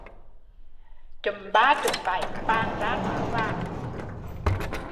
Chụm ba chụm bảy, bàn ra tán vào